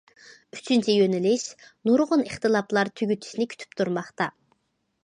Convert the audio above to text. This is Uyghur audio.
ئۈچىنچى يۆنىلىش: نۇرغۇن ئىختىلاپلار تۈگىتىشنى كۈتۈپ تۇرماقتا.